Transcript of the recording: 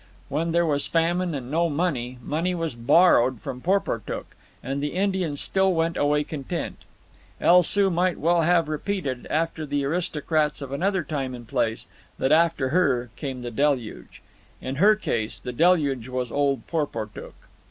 When there was famine and no money, money was borrowed from Porportuk, and the Indians still went away content. El Soo might well have repeated, after the aristocrats of another time and place, that after her came the deluge. In her case the deluge was old Porportuk.